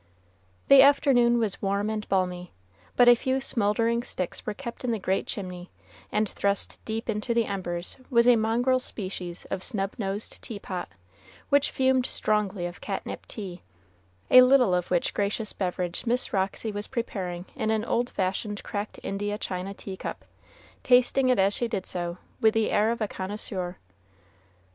The afternoon was warm and balmy, but a few smouldering sticks were kept in the great chimney, and thrust deep into the embers was a mongrel species of snub nosed tea pot, which fumed strongly of catnip tea, a little of which gracious beverage Miss Roxy was preparing in an old fashioned cracked India china tea cup, tasting it as she did so with the air of a connoisseur.